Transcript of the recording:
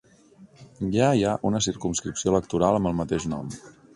Ja hi ha una circumscripció electoral amb el mateix nom.